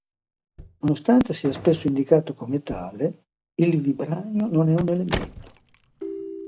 Nonostante sia spesso indicato come tale, il vibranio non è un elemento.